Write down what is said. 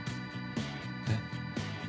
えっ。